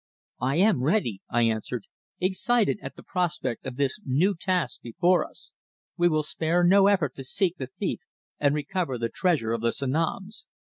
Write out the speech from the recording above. "I am ready," I answered, excited at the prospect of this new task before us. "We will spare no effort to seek the thief and recover the Treasure of the Sanoms.